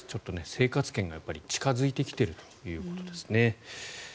生活圏が近付いてきているということですね。